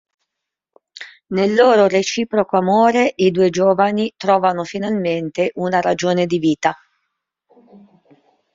Nel loro reciproco amore i due giovani trovano finalmente una ragione di vita.